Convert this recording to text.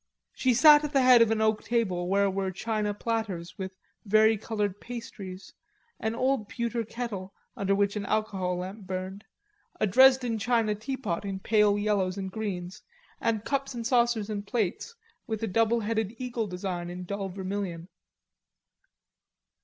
She sat at the head of an oak table where were china platters with vari colored pastries, an old pewter kettle under which an alcohol lamp burned, a Dresden china teapot in pale yellows and greens, and cups and saucers and plates with a double headed eagle design in dull vermilion.